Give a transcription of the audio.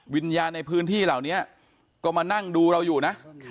วิญญาณในพื้นที่เหล่านี้ก็มานั่งดูเราอยู่นะ